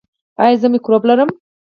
ایا زه مکروب لرم؟